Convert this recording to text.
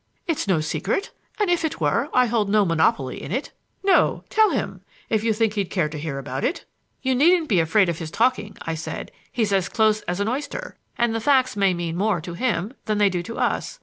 It's no secret; and if it were, I hold no monopoly in it. No; tell him, if you think he'd care to hear about it." "You needn't be afraid of his talking," I said. "He's as close as an oyster; and the facts may mean more to him than they do to us.